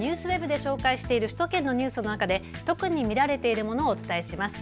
ＮＨＫＮＥＷＳＷＥＢで紹介している首都圏のニュースの中で特に見られているものをお伝えします。